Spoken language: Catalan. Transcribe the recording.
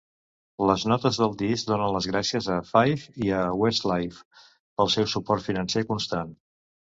Les notes del disc donen les "gràcies" a Five i a Westlife "pel seu suport financer constant".